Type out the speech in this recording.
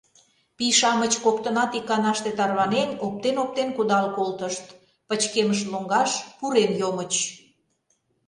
пий-шамыч коктынат иканаште тарванен, оптен-оптен кудал колтышт, пычкемыш лоҥгаш пурен йомыч.